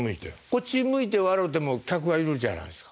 こっち向いて笑うても客がいるじゃないですか。